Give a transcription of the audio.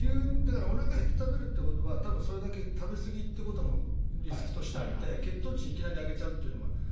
おなかが減って食べるっていうことは多分それだけ食べ過ぎってこともリスクとしてあって血糖値をいきなり上げちゃうというのもある。